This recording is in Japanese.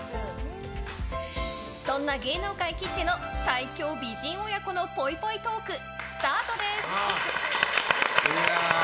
そんな芸能界きっての最強美人親子のぽいぽいトークスタートです。